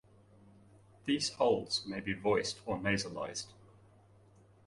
These holds may be voiced or nasalized.